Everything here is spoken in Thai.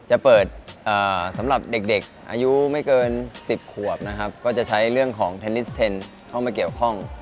จะเปิดสำหรับเด็กอายุไม่เกิน๑๐ขวบนะครับก็จะใช้เรื่องของเทนนิสเซ็นเข้ามาเกี่ยวข้อง